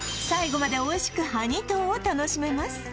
最後までおいしくハニトーを楽しめます